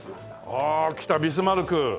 ああ来たビスマルク。